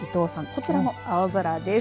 こちらも青空です。